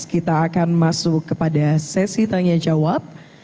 kita akan masuk kepada sesi tanya jawab